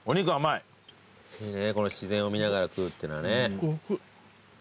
この自然を見ながら食うってのはね。